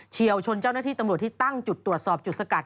เชี่ยวชนเจ้าหน้าที่ตำรวจที่ตั้งจุดตรวจสอบจุดสกัด